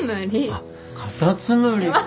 あっカタツムリか！